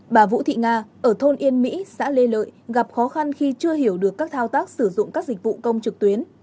bà vũ thị nga ở thôn yên mỹ xã lê lợi gặp khó khăn khi chưa hiểu được các thao tác sử dụng các dịch vụ công trực tuyến